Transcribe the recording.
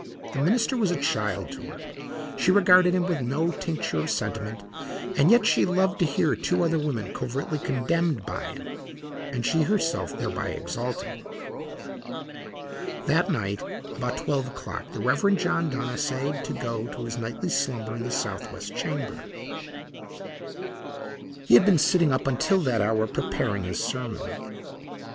The minister was a child to her; she regarded him with no tincture of sentiment, and yet she loved to hear two other women covertly condemned by him and she herself thereby exalted. That night about twelve o'clock the Reverend John Dunn essayed to go to his nightly slumber in the southwest chamber. He had been sitting up until that hour preparing his sermon.